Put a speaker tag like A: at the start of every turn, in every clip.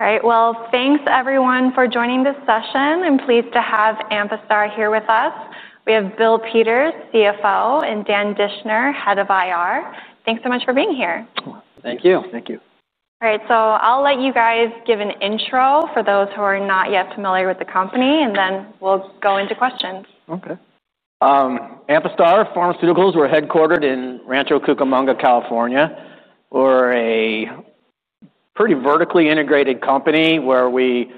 A: All right. Well, thanks everyone for joining this session. I'm pleased to have Amphastar here with us. We have Bill Peters, CFO, and Dan Dischner, Head of IR. Thanks so much for being here.
B: Thank you.
C: Thank you. All right. So I'll let you guys give an intro for those who are not yet familiar with the company, and then we'll go into questions. Okay. Amphastar Pharmaceuticals, we're headquartered in Rancho Cucamonga, California. We're a pretty vertically integrated company where we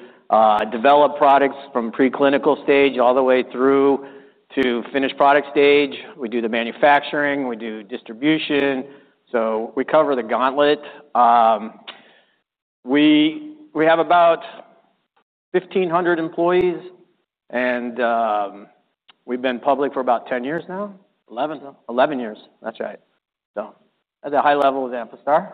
C: develop products from preclinical stage all the way through to finished product stage. We do the manufacturing. We do distribution, so we cover the gauntlet. We have about 1,500 employees, and we've been public for about 10 years now.
B: 11.
C: 11 years. That's right, so that's a high level of Amphastar.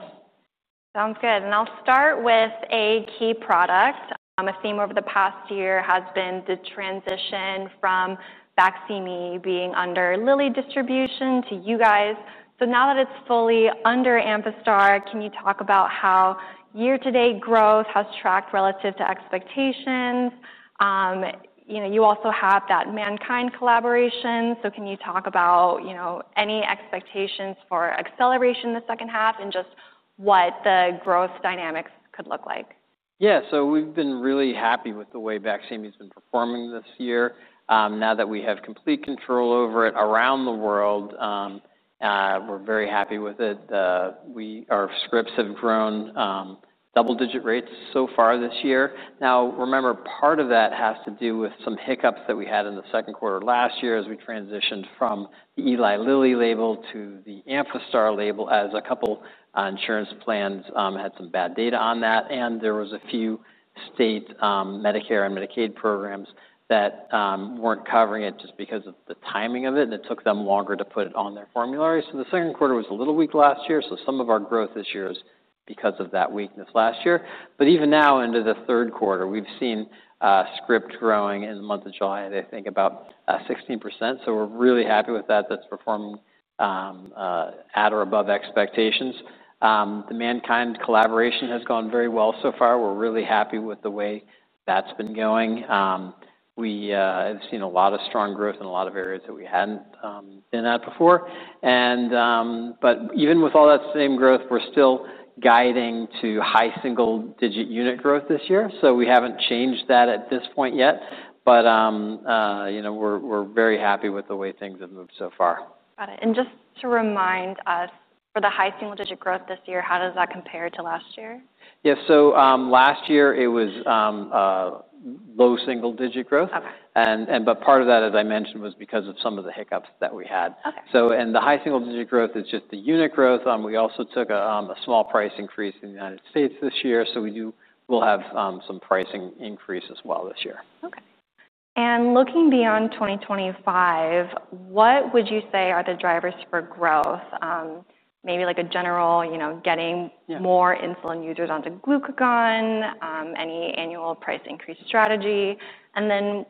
C: Sounds good. And I'll start with a key product. A theme over the past year has been the transition from Baqsimi being under Lilly Distribution to you guys. So now that it's fully under Amphastar, can you talk about how year-to-date growth has tracked relative to expectations? You also have that MannKind collaboration. So can you talk about any expectations for acceleration in the second half and just what the growth dynamics could look like? Yeah. So we've been really happy with the way Baqsimi's been performing this year. Now that we have complete control over it around the world, we're very happy with it. Our scripts have grown double-digit rates so far this year. Now, remember, part of that has to do with some hiccups that we had in the second quarter last year as we transitioned from the Eli Lilly label to the Amphastar label as a couple of insurance plans had some bad data on that, and there was a few state Medicare and Medicaid programs that weren't covering it just because of the timing of it, and it took them longer to put it on their formulary, so the second quarter was a little weak last year, so some of our growth this year is because of that weakness last year. But even now, into the third quarter, we've seen script growing in the month of July, I think, about 16%. So we're really happy with that. That's performing at or above expectations. The MannKind collaboration has gone very well so far. We're really happy with the way that's been going. We have seen a lot of strong growth in a lot of areas that we hadn't been at before. But even with all that same growth, we're still guiding to high single-digit unit growth this year. So we haven't changed that at this point yet. But we're very happy with the way things have moved so far. Got it. And just to remind us, for the high single-digit growth this year, how does that compare to last year? Yeah. So last year, it was low single-digit growth. But part of that, as I mentioned, was because of some of the hiccups that we had. And the high single-digit growth is just the unit growth. We also took a small price increase in the United States this year. So we'll have some pricing increase as well this year. Okay. And looking beyond 2025, what would you say are the drivers for growth? Maybe a general getting more insulin users onto glucagon, any annual price increase strategy. And then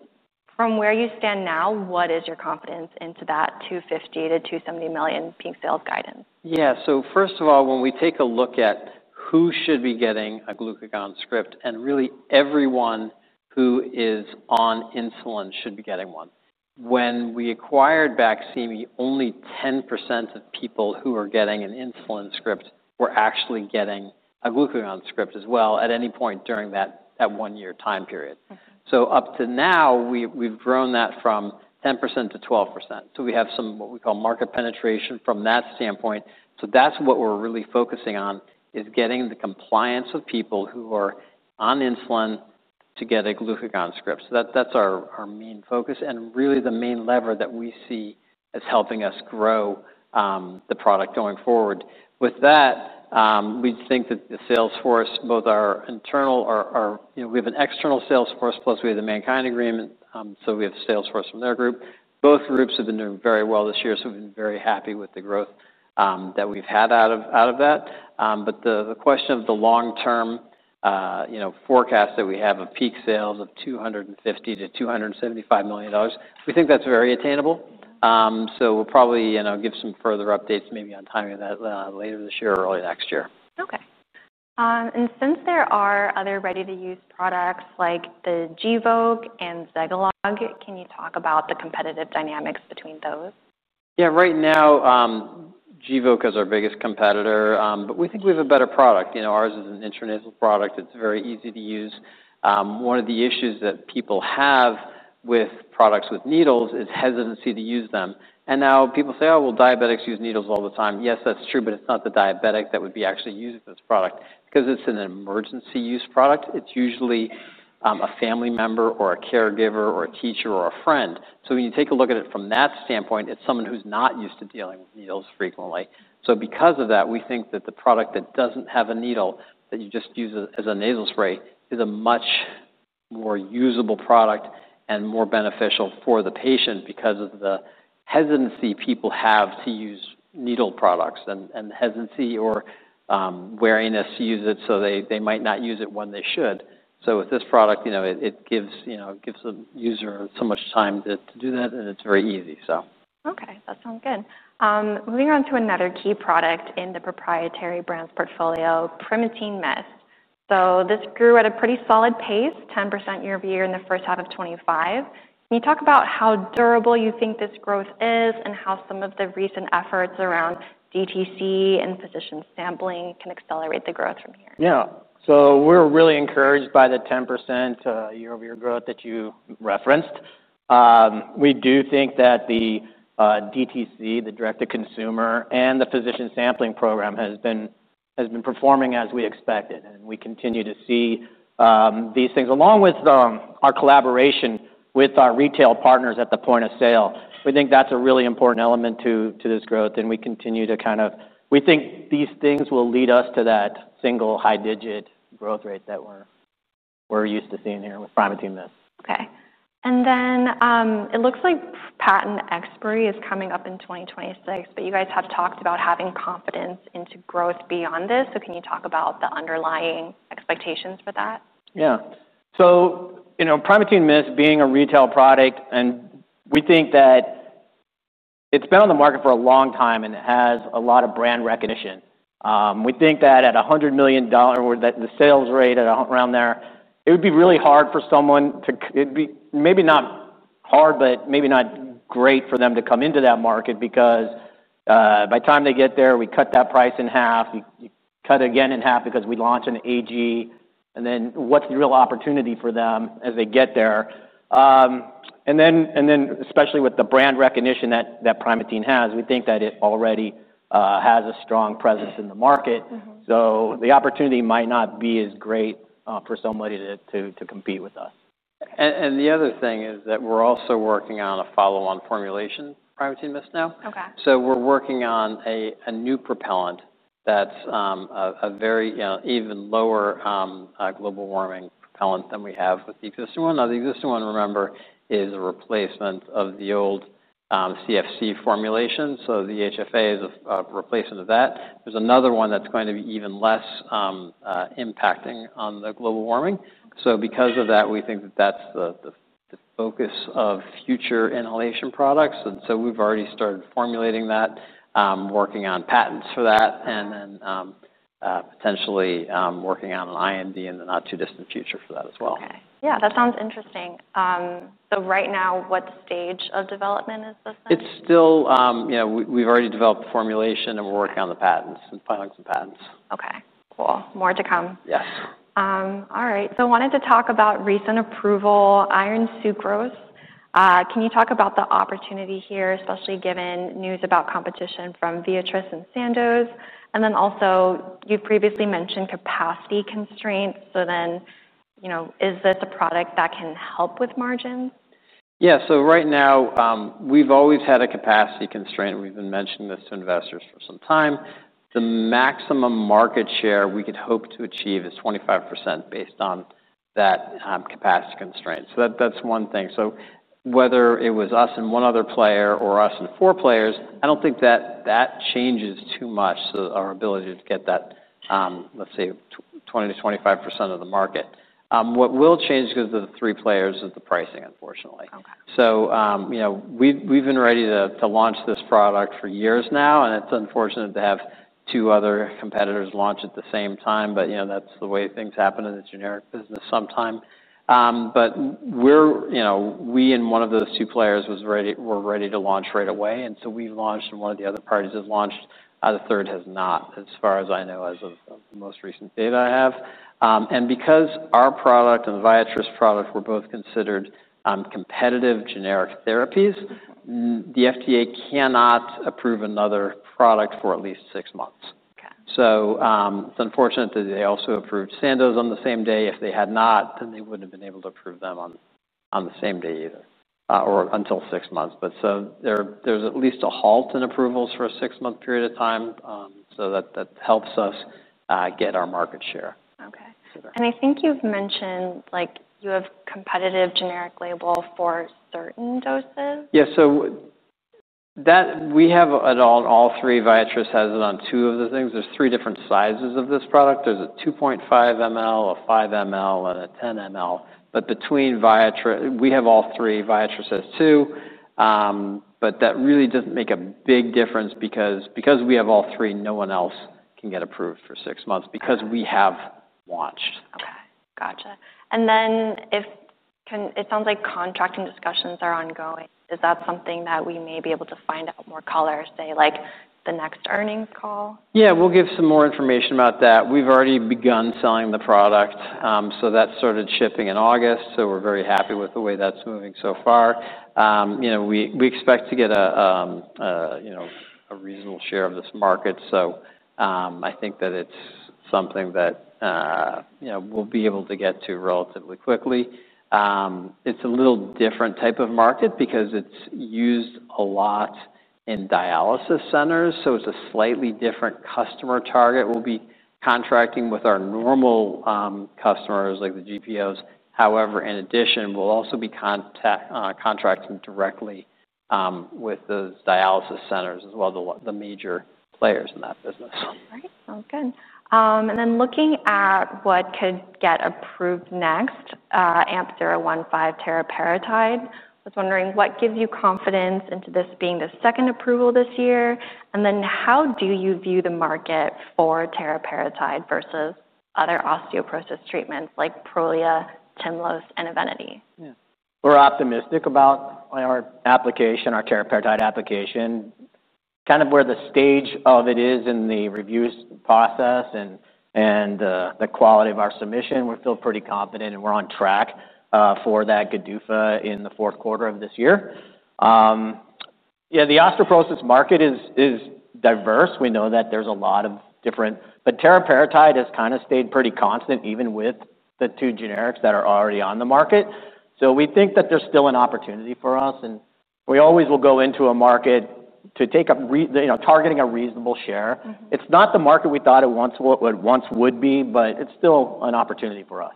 C: from where you stand now, what is your confidence into that $250 million-$270 million peak sales guidance? Yeah. So first of all, when we take a look at who should be getting a glucagon script, and really everyone who is on insulin should be getting one. When we acquired Baqsimi, only 10% of people who are getting an insulin script were actually getting a glucagon script as well at any point during that one-year time period. So up to now, we've grown that from 10%-12%. So we have some what we call market penetration from that standpoint. So that's what we're really focusing on, is getting the compliance of people who are on insulin to get a glucagon script. So that's our main focus and really the main lever that we see as helping us grow the product going forward. With that, we think that the sales force, both our internal or we have an external sales force, plus we have the MannKind agreement. So we have sales force from their group. Both groups have been doing very well this year. So we've been very happy with the growth that we've had out of that. But the question of the long-term forecast that we have of peak sales of $250 million-$275 million, we think that's very attainable. So we'll probably give some further updates maybe on timing of that later this year or early next year. Okay. And since there are other ready-to-use products like the Gvoke and Zegalogue, can you talk about the competitive dynamics between those? Yeah. Right now, Gvoke is our biggest competitor. But we think we have a better product. Ours is an intranasal product. It's very easy to use. One of the issues that people have with products with needles is hesitancy to use them. And now people say, "Oh, well, diabetics use needles all the time." Yes, that's true. But it's not the diabetic that would be actually using this product because it's an emergency use product. It's usually a family member or a caregiver or a teacher or a friend. So when you take a look at it from that standpoint, it's someone who's not used to dealing with needles frequently. So because of that, we think that the product that doesn't have a needle that you just use as a nasal spray is a much more usable product and more beneficial for the patient because of the hesitancy people have to use needle products and hesitancy or weariness to use it. So they might not use it when they should. So with this product, it gives the user so much time to do that, and it's very easy, so. Okay. That sounds good. Moving on to another key product in the proprietary brand's portfolio, Primatene Mist. So this grew at a pretty solid pace, 10% year-over-year in the first half of 2025. Can you talk about how durable you think this growth is and how some of the recent efforts around DTC and physician sampling can accelerate the growth from here? Yeah. So we're really encouraged by the 10% year-over-year growth that you referenced. We do think that the DTC, the direct-to-consumer, and the physician sampling program has been performing as we expected. And we continue to see these things along with our collaboration with our retail partners at the point of sale. We think that's a really important element to this growth. And we continue to kind of we think these things will lead us to that single high-digit growth rate that we're used to seeing here with Primatene Mist. Okay. And then it looks like patent expiry is coming up in 2026. But you guys have talked about having confidence into growth beyond this. So can you talk about the underlying expectations for that? Yeah. So Primatene Mist, being a retail product, and we think that it's been on the market for a long time, and it has a lot of brand recognition. We think that at $100 million, the sales rate around there, it would be really hard for someone to—it'd be maybe not hard, but maybe not great for them to come into that market because by the time they get there, we cut that price in half. You cut again in half because we launch an AG. And then what's the real opportunity for them as they get there? And then especially with the brand recognition that Primatene has, we think that it already has a strong presence in the market. So the opportunity might not be as great for somebody to compete with us. And the other thing is that we're also working on a follow-on formulation, Primatene Mist now. So we're working on a new propellant that's a very even lower global warming propellant than we have with the existing one. Now, the existing one, remember, is a replacement of the old CFC formulation. So the HFA is a replacement of that. There's another one that's going to be even less impacting on the global warming. So because of that, we think that that's the focus of future inhalation products. So we've already started formulating that, working on patents for that, and then potentially working on an IND in the not-too-distant future for that as well. Okay. Yeah. That sounds interesting. So right now, what stage of development is this in? It's still, we've already developed the formulation, and we're working on the patents and filing some patents. Okay. Cool. More to come. Yes. All right, so I wanted to talk about recent approval, iron sucrose. Can you talk about the opportunity here, especially given news about competition from Viatris and Sandoz, and then also, you've previously mentioned capacity constraints, so then is this a product that can help with margins? Yeah. So right now, we've always had a capacity constraint. We've been mentioning this to investors for some time. The maximum market share we could hope to achieve is 25% based on that capacity constraint. So that's one thing. So whether it was us and one other player or us and four players, I don't think that that changes too much our ability to get that, let's say, 20%-25% of the market. What will change because of the three players is the pricing, unfortunately. So we've been ready to launch this product for years now. And it's unfortunate to have two other competitors launch at the same time. But that's the way things happen in the generic business sometimes. But we and one of those two players were ready to launch right away. And so we've launched, and one of the other parties has launched. The third has not, as far as I know, as of the most recent data I have. And because our product and the Viatris product were both considered competitive generic therapies, the FDA cannot approve another product for at least six months. So it's unfortunate that they also approved Sandoz on the same day. If they had not, then they wouldn't have been able to approve them on the same day either or until six months. But so there's at least a halt in approvals for a six-month period of time. So that helps us get our market share. Okay. And I think you've mentioned you have competitive generic label for certain doses. Yeah. So we have it on all three. Viatris has it on two of the things. There are three different sizes of this product. There is a 2.5 ml, a 5 ml, and a 10 ml. But between Viatris, we have all three. Viatris has two. But that really doesn't make a big difference because we have all three. No one else can get approved for six months because we have launched. Okay. Gotcha. And then it sounds like contracting discussions are ongoing. Is that something that we may be able to find out more color, say, like the next earnings call? Yeah. We'll give some more information about that. We've already begun selling the product. So that started shipping in August. So we're very happy with the way that's moving so far. We expect to get a reasonable share of this market. So I think that it's something that we'll be able to get to relatively quickly. It's a little different type of market because it's used a lot in dialysis centers. So it's a slightly different customer target. We'll be contracting with our normal customers like the GPOs. However, in addition, we'll also be contracting directly with those dialysis centers as well as the major players in that business. All right. Sounds good. And then looking at what could get approved next, AMP-015 teriparatide. I was wondering what gives you confidence into this being the second approval this year? And then how do you view the market for teriparatide versus other osteoporosis treatments like Prolia, Tymlos, and Evenity? We're optimistic about our teriparatide application. Kind of where the stage of it is in the review process and the quality of our submission, we feel pretty confident. And we're on track for that GDUFA in the fourth quarter of this year. Yeah. The osteoporosis market is diverse. We know that there's a lot of different. But teriparatide has kind of stayed pretty constant even with the two generics that are already on the market. So we think that there's still an opportunity for us. And we always will go into a market to take, targeting a reasonable share. It's not the market we thought it once would be, but it's still an opportunity for us.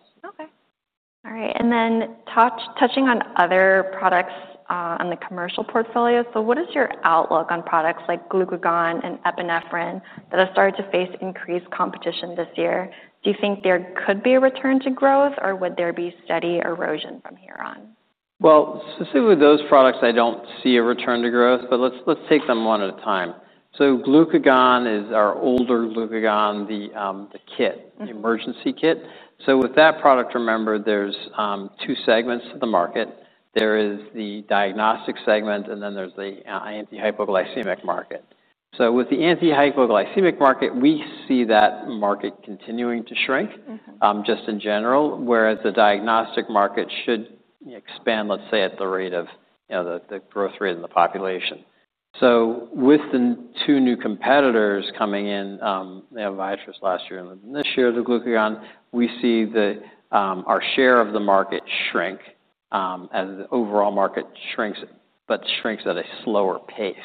C: Okay. All right. And then touching on other products on the commercial portfolio. So what is your outlook on products like glucagon and epinephrine that have started to face increased competition this year? Do you think there could be a return to growth, or would there be steady erosion from here on? Specifically those products, I don't see a return to growth. But let's take them one at a time. Glucagon is our older glucagon, the kit, the emergency kit. With that product, remember, there's two segments to the market. There is the diagnostic segment, and then there's the anti-hypoglycemic market. With the anti-hypoglycemic market, we see that market continuing to shrink just in general, whereas the diagnostic market should expand, let's say, at the rate of the growth rate in the population. With the two new competitors coming in, they have Viatris last year and this year the glucagon, we see our share of the market shrink as the overall market shrinks, but shrinks at a slower pace.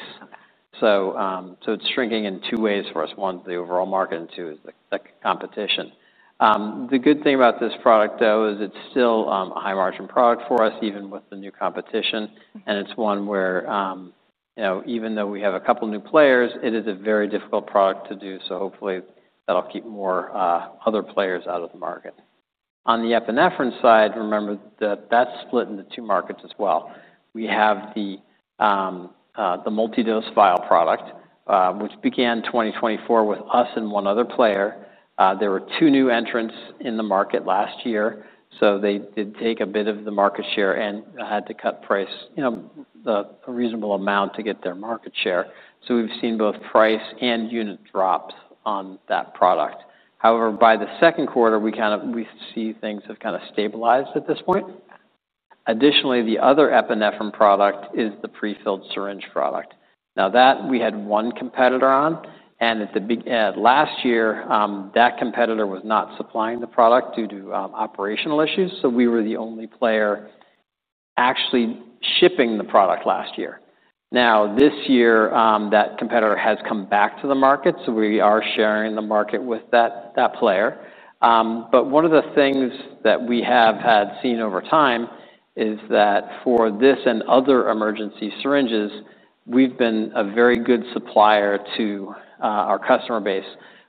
C: It's shrinking in two ways for us. One, the overall market, and two, is the competition. The good thing about this product, though, is it's still a high-margin product for us even with the new competition. And it's one where even though we have a couple of new players, it is a very difficult product to do. So hopefully, that'll keep more other players out of the market. On the epinephrine side, remember that that's split into two markets as well. We have the multidose vial product, which began 2024 with us and one other player. There were two new entrants in the market last year. So they did take a bit of the market share and had to cut price a reasonable amount to get their market share. So we've seen both price and unit drops on that product. However, by the second quarter, we see things have kind of stabilized at this point. Additionally, the other epinephrine product is the prefilled syringe product. Now that we had one competitor on. And last year, that competitor was not supplying the product due to operational issues. So we were the only player actually shipping the product last year. Now, this year, that competitor has come back to the market. So we are sharing the market with that player. But one of the things that we have had seen over time is that for this and other emergency syringes, we've been a very good supplier to our customer base.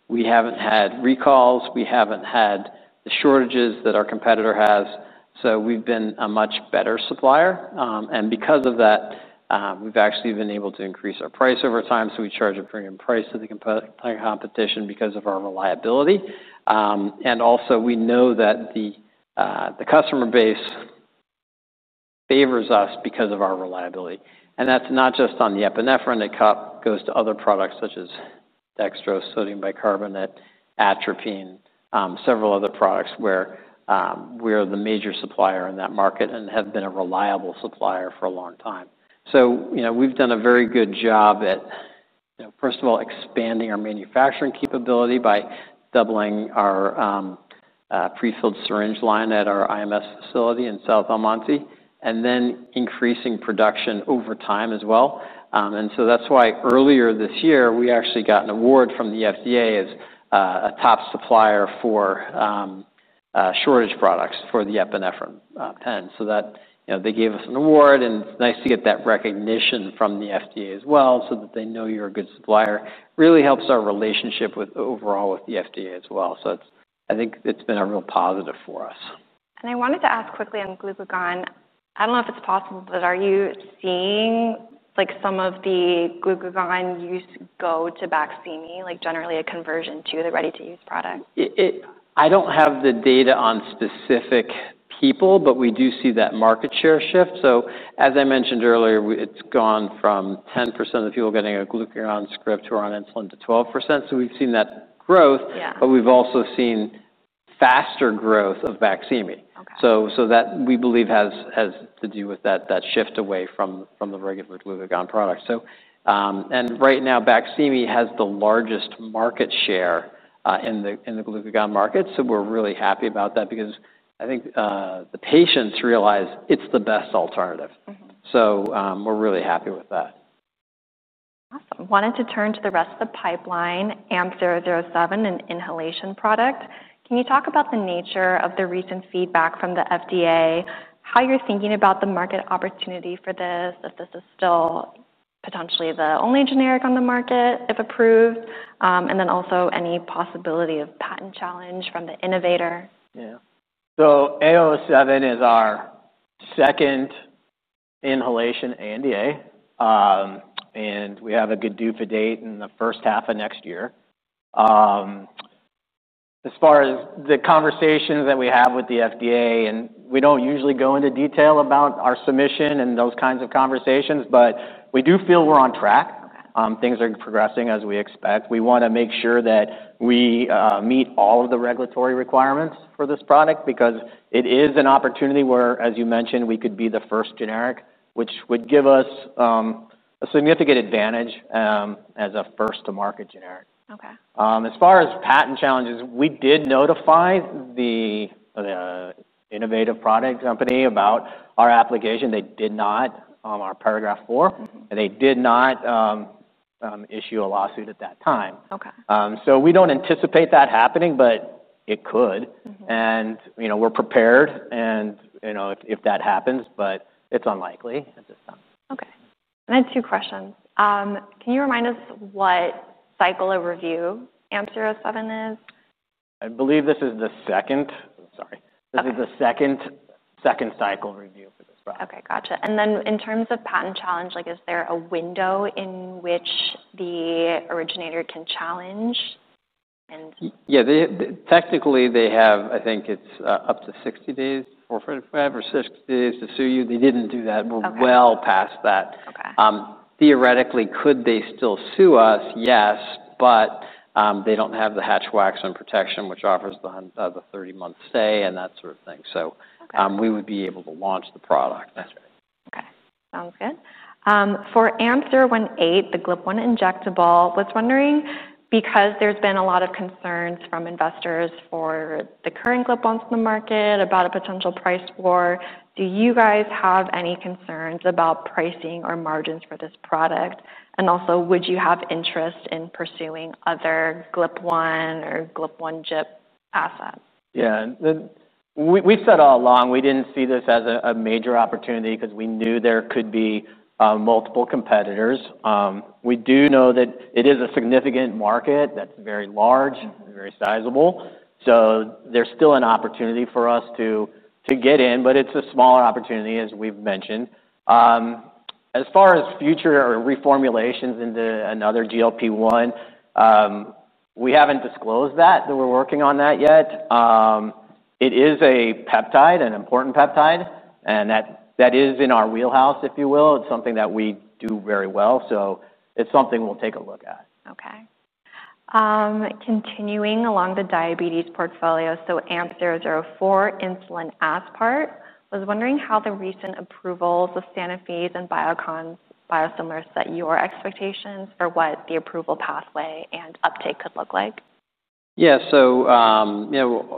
C: We haven't had recalls. We haven't had the shortages that our competitor has. So we've been a much better supplier. And because of that, we've actually been able to increase our price over time. So we charge a premium price to the competition because of our reliability. And also, we know that the customer base favors us because of our reliability. That's not just on the epinephrine. It goes to other products such as dextrose, sodium bicarbonate, atropine, several other products where we're the major supplier in that market and have been a reliable supplier for a long time. So we've done a very good job at, first of all, expanding our manufacturing capability by doubling our prefilled syringe line at our IMS facility in South El Monte, and then increasing production over time as well. And so that's why earlier this year, we actually got an award from the FDA as a top supplier for shortage products for the epinephrine pens. So they gave us an award. And it's nice to get that recognition from the FDA as well so that they know you're a good supplier. Really helps our relationship overall with the FDA as well. So I think it's been a real positive for us. I wanted to ask quickly on glucagon. I don't know if it's possible, but are you seeing some of the glucagon use go to Baqsimi, generally a conversion to the ready-to-use product? I don't have the data on specific people, but we do see that market share shift. So as I mentioned earlier, it's gone from 10% of the people getting a glucagon script who are on insulin to 12%. So we've seen that growth. But we've also seen faster growth of Baqsimi. So we believe it has to do with that shift away from the regular glucagon product. And right now, Baqsimi has the largest market share in the glucagon market. So we're really happy about that because I think the patients realize it's the best alternative. So we're really happy with that. Awesome. Wanted to turn to the rest of the pipeline, AMP-007, an inhalation product. Can you talk about the nature of the recent feedback from the FDA, how you're thinking about the market opportunity for this, if this is still potentially the only generic on the market if approved, and then also any possibility of patent challenge from the innovator? Yeah. So AMP-007 is our second inhalation ANDA. And we have a GDUFA date in the first half of next year. As far as the conversations that we have with the FDA, and we don't usually go into detail about our submission and those kinds of conversations, but we do feel we're on track. Things are progressing as we expect. We want to make sure that we meet all of the regulatory requirements for this product because it is an opportunity where, as you mentioned, we could be the first generic, which would give us a significant advantage as a first-to-market generic. As far as patent challenges, we did notify the innovative product company about our application. They did not, our Paragraph IV. They did not issue a lawsuit at that time. So we don't anticipate that happening, but it could. And we're prepared. And if that happens. But it's unlikely at this time. Okay. And then two questions. Can you remind us what cycle of review AMP-007 is? This is the second cycle review for this product. Okay. Gotcha. And then in terms of patent challenge, is there a window in which the originator can challenge? Yeah. Technically, they have, I think it's up to 60 days. 45 or 60 days to sue you. They didn't do that. We're well past that. Theoretically, could they still sue us? Yes. But they don't have the Hatch-Waxman protection, which offers the 30-month stay and that sort of thing. So we would be able to launch the product. Okay. Sounds good. For AMP-018, the GLP-1 injectable, was wondering because there's been a lot of concerns from investors for the current GLP-1s in the market about a potential price war, do you guys have any concerns about pricing or margins for this product? And also, would you have interest in pursuing other GLP-1 or GLP-1 drip assets? Yeah. We've said all along we didn't see this as a major opportunity because we knew there could be multiple competitors. We do know that it is a significant market that's very large, very sizable. So there's still an opportunity for us to get in, but it's a smaller opportunity, as we've mentioned. As far as future reformulations into another GLP-1, we haven't disclosed that. We're working on that yet. It is a peptide, an important peptide. And that is in our wheelhouse, if you will. It's something that we do very well. So it's something we'll take a look at. Okay. Continuing along the diabetes portfolio, so AMP-004, insulin aspart. I was wondering how the recent approvals of Sanofi's and Biocon's biosimilars set your expectations for what the approval pathway and uptake could look like? Yeah. So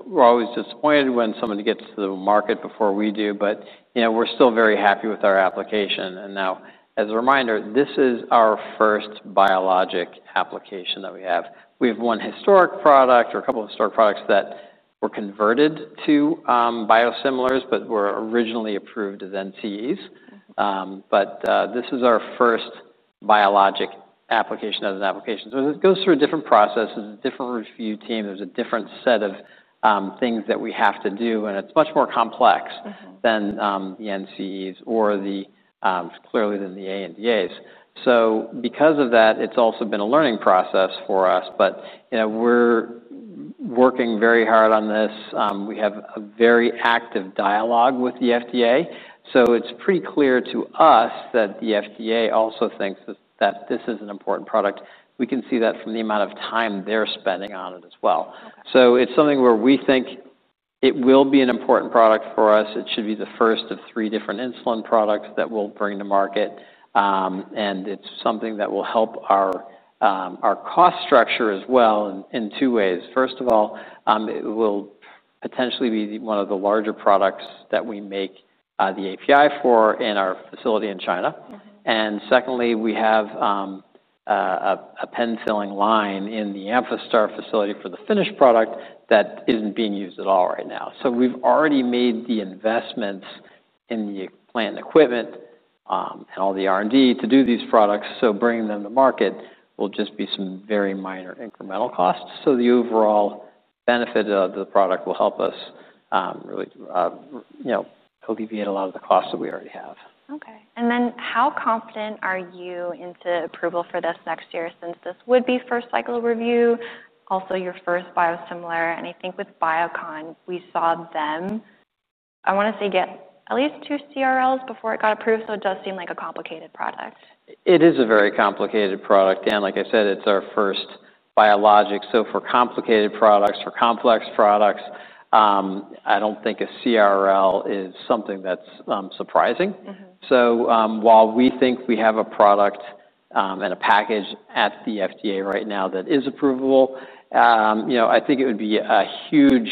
C: we're always disappointed when somebody gets to the market before we do. But we're still very happy with our application. And now, as a reminder, this is our first biologic application that we have. We have one historic product or a couple of historic products that were converted to biosimilars, but were originally approved as NCEs. But this is our first biologic application as an application. So it goes through a different process. There's a different review team. There's a different set of things that we have to do. And it's much more complex than the NCEs or clearly than the ANDAs. So because of that, it's also been a learning process for us. But we're working very hard on this. We have a very active dialogue with the FDA. So it's pretty clear to us that the FDA also thinks that this is an important product. We can see that from the amount of time they're spending on it as well, so it's something where we think it will be an important product for us. It should be the first of three different insulin products that we'll bring to market, and it's something that will help our cost structure as well in two ways. First of all, it will potentially be one of the larger products that we make the API for in our facility in China, and secondly, we have a pen filling line in the Amphastar facility for the finished product that isn't being used at all right now, so we've already made the investments in the plant and equipment and all the R&D to do these products, so bringing them to market will just be some very minor incremental costs. The overall benefit of the product will help us really alleviate a lot of the costs that we already have. Okay. And then how confident are you into approval for this next year since this would be first cycle review, also your first biosimilar? And I think with Biocon, we saw them, I want to say, get at least two CRLs before it got approved. So it does seem like a complicated product. It is a very complicated product, and like I said, it's our first biologic, so for complicated products, for complex products, I don't think a CRL is something that's surprising, so while we think we have a product and a package at the FDA right now that is approvable, I think it would be a huge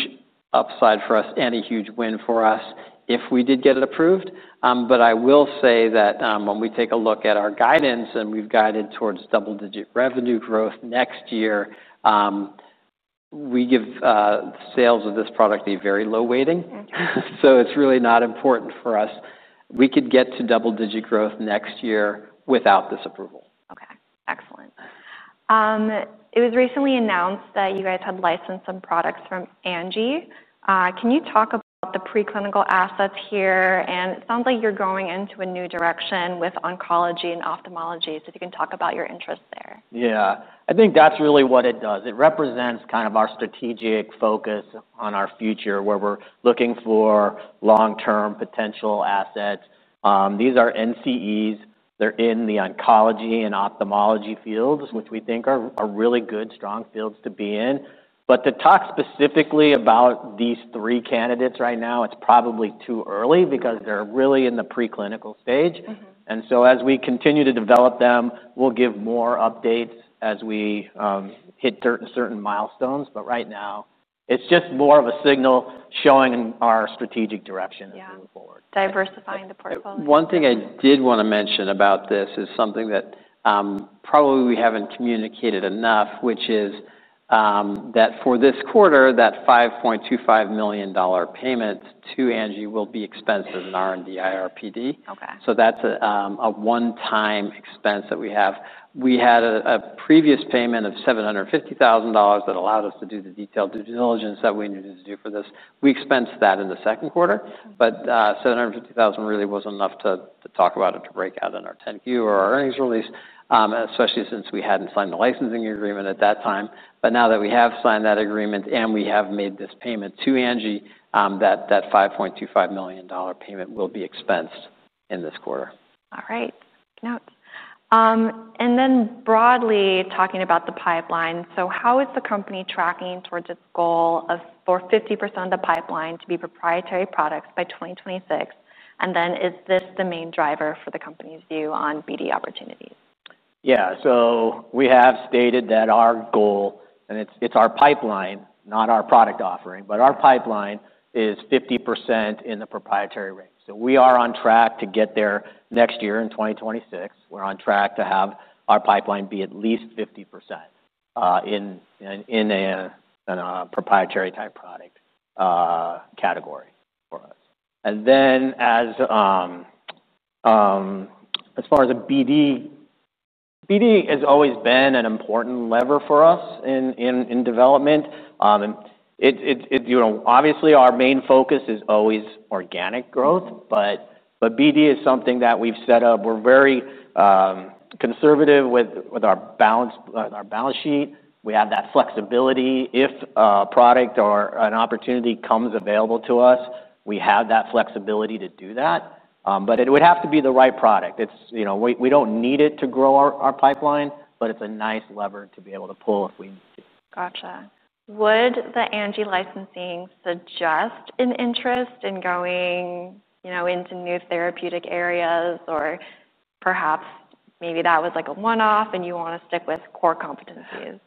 C: upside for us and a huge win for us if we did get it approved, but I will say that when we take a look at our guidance and we've guided towards double-digit revenue growth next year, we give sales of this product a very low weighting, so it's really not important for us. We could get to double-digit growth next year without this approval. Okay. Excellent. It was recently announced that you guys had licensed some products from Anji. Can you talk about the preclinical assets here? And it sounds like you're going into a new direction with oncology and ophthalmology. So if you can talk about your interest there. Yeah. I think that's really what it does. It represents kind of our strategic focus on our future where we're looking for long-term potential assets. These are NCEs. They're in the oncology and ophthalmology fields, which we think are really good, strong fields to be in. But to talk specifically about these three candidates right now, it's probably too early because they're really in the preclinical stage. And so as we continue to develop them, we'll give more updates as we hit certain milestones, but right now, it's just more of a signal showing our strategic direction as we move forward. Diversifying the portfolio. One thing I did want to mention about this is something that probably we haven't communicated enough, which is that for this quarter, that $5.25 million payment to Anji will be expensed in R&D, IPR&D. So that's a one-time expense that we have. We had a previous payment of $750,000 that allowed us to do the detailed due diligence that we needed to do for this. We expensed that in the second quarter. But $750,000 really wasn't enough to talk about it, to break out in our 10-Q or our earnings release, especially since we hadn't signed the licensing agreement at that time. But now that we have signed that agreement and we have made this payment to An, that $5.25 million payment will be expensed in this quarter. All right. Notes. And then broadly talking about the pipeline, so how is the company tracking towards its goal of for 50% of the pipeline to be proprietary products by 2026? And then is this the main driver for the company's view on BD opportunities? Yeah. So we have stated that our goal, and it's our pipeline, not our product offering, but our pipeline is 50% in the proprietary range. So we are on track to get there next year in 2026. We're on track to have our pipeline be at least 50% in a proprietary-type product category for us. And then as far as BD, BD has always been an important lever for us in development. Obviously, our main focus is always organic growth, but BD is something that we've set up. We're very conservative with our balance sheet. We have that flexibility. If a product or an opportunity comes available to us, we have that flexibility to do that, but it would have to be the right product. We don't need it to grow our pipeline, but it's a nice lever to be able to pull if we need to. Gotcha. Would the Anji licensing suggest an interest in going into new therapeutic areas or perhaps maybe that was like a one-off and you want to stick with core competencies?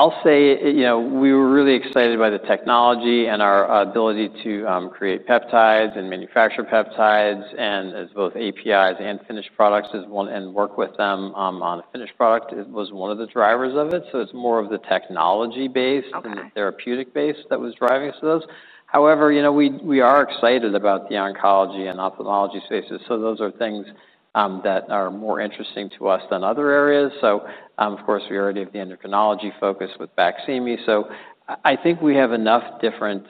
C: I'll say we were really excited by the technology and our ability to create peptides and manufacture peptides and both APIs and finished products and work with them on a finished product was one of the drivers of it. So it's more of the technology-based and the therapeutic-based that was driving us to those. However, we are excited about the oncology and ophthalmology spaces. So those are things that are more interesting to us than other areas. So of course, we already have the endocrinology focus with Baqsimi. So I think we have enough different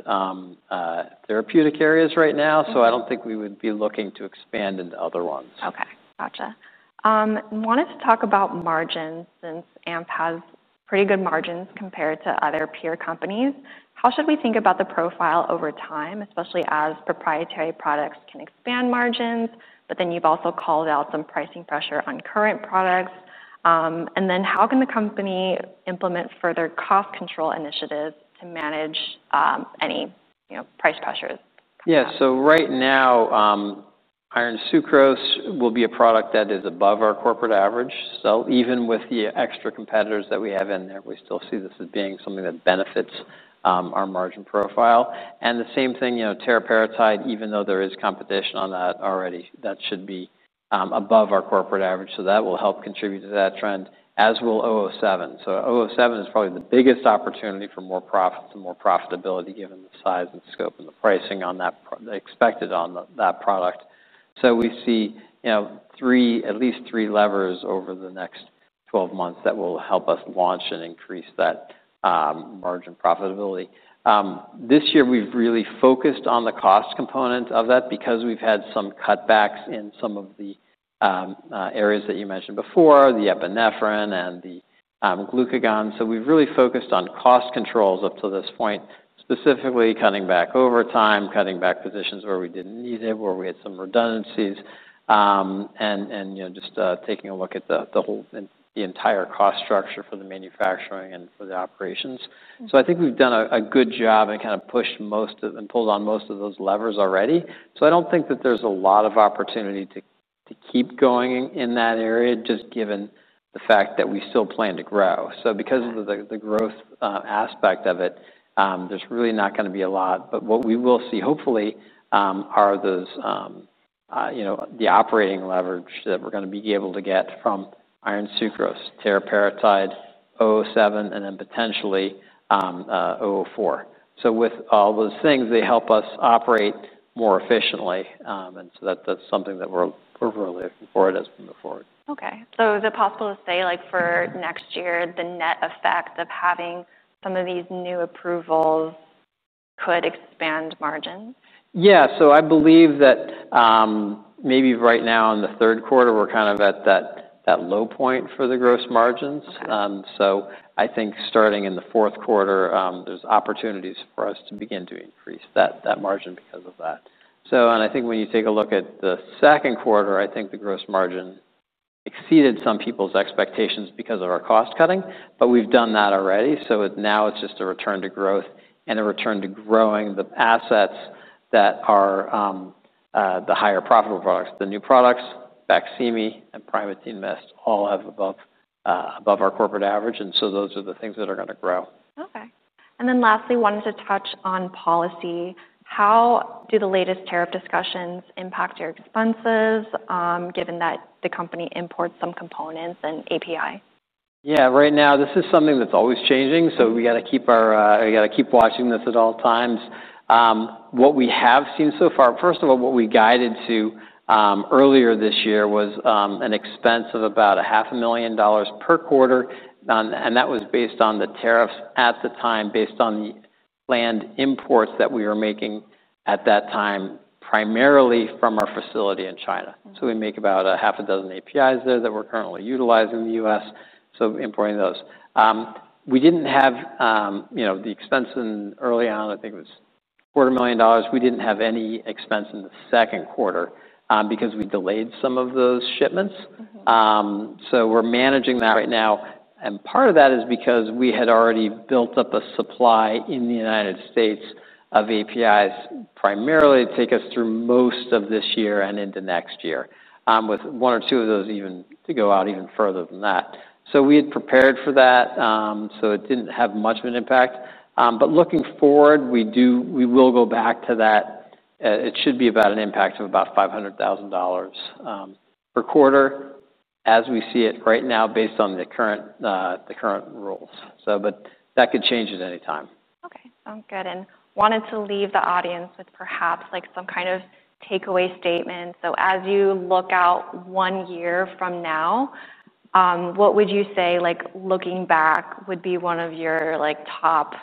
C: therapeutic areas right now. So I don't think we would be looking to expand into other ones. Okay. Gotcha. Wanted to talk about margins since AMP has pretty good margins compared to other peer companies. How should we think about the profile over time, especially as proprietary products can expand margins, but then you've also called out some pricing pressure on current products? And then how can the company implement further cost control initiatives to manage any price pressures? Yeah. So right now, Iron sucrose will be a product that is above our corporate average. So even with the extra competitors that we have in there, we still see this as being something that benefits our margin profile. And the same thing, Teriparatide, even though there is competition on that already, that should be above our corporate average. So that will help contribute to that trend, as will 007. So 007 is probably the biggest opportunity for more profits and more profitability given the size and scope and the pricing expected on that product. So we see at least three levers over the next 12 months that will help us launch and increase that margin profitability. This year, we've really focused on the cost component of that because we've had some cutbacks in some of the areas that you mentioned before, the Epinephrine and the Glucagon. So we've really focused on cost controls up to this point, specifically cutting back overtime, cutting back positions where we didn't need it, where we had some redundancies, and just taking a look at the entire cost structure for the manufacturing and for the operations. So I think we've done a good job and kind of pushed most of and pulled on most of those levers already. So I don't think that there's a lot of opportunity to keep going in that area just given the fact that we still plan to grow. So because of the growth aspect of it, there's really not going to be a lot. But what we will see, hopefully, are the operating leverage that we're going to be able to get from iron sucrose, teriparatide, 007, and then potentially 004. So with all those things, they help us operate more efficiently. And so that's something that we're really looking forward to as we move forward. Okay. So is it possible to say for next year, the net effect of having some of these new approvals could expand margins? Yeah. So I believe that maybe right now in the third quarter, we're kind of at that low point for the gross margins. So I think starting in the fourth quarter, there's opportunities for us to begin to increase that margin because of that. And I think when you take a look at the second quarter, I think the gross margin exceeded some people's expectations because of our cost cutting. But we've done that already. So now it's just a return to growth and a return to growing the assets that are the higher profitable products. The new products, Baqsimi, and Primatene Mist all have above our corporate average. And so those are the things that are going to grow. Okay. And then lastly, wanted to touch on policy. How do the latest tariff discussions impact your expenses given that the company imports some components and API? Yeah. Right now, this is something that's always changing. We got to keep watching this at all times. What we have seen so far, first of all, what we guided to earlier this year was an expense of about $500,000 per quarter. That was based on the tariffs at the time based on the planned imports that we were making at that time primarily from our facility in China. We make about a half a dozen APIs there that we're currently utilizing in the US, so importing those. We didn't have the expense in early on. I think it was $250,000. We didn't have any expense in the second quarter because we delayed some of those shipments. We're managing that right now. Part of that is because we had already built up a supply in the United States of APIs primarily to take us through most of this year and into next year with one or two of those even to go out even further than that. We had prepared for that. It didn't have much of an impact. Looking forward, we will go back to that. It should be about an impact of about $500,000 per quarter as we see it right now based on the current rules. That could change at any time. Okay. Sounds good. And wanted to leave the audience with perhaps some kind of takeaway statement. So as you look out one year from now, what would you say looking back would be one of your top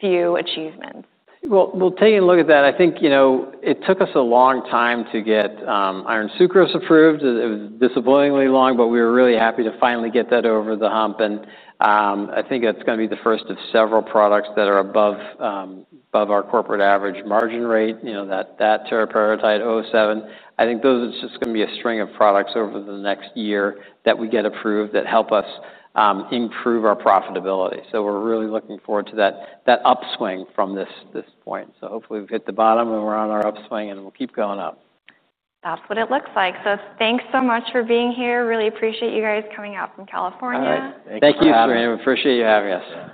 C: few achievements? We'll take a look at that. I think it took us a long time to get iron sucrose approved. It was disappointingly long, but we were really happy to finally get that over the hump. I think that's going to be the first of several products that are above our corporate average margin rate, that teriparatide 007. I think those are just going to be a string of products over the next year that we get approved that help us improve our profitability. We're really looking forward to that upswing from this point. Hopefully, we've hit the bottom and we're on our upswing and we'll keep going up. That's what it looks like. So thanks so much for being here. Really appreciate you guys coming out from California. All right. Thank you. Thank you, Graham. Appreciate you having us.